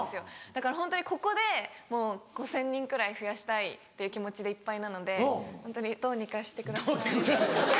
だからホントにここでもう５０００人くらい増やしたいっていう気持ちでいっぱいなのでホントにどうにかしてください。